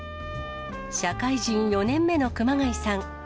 社会人４年目の熊谷さん。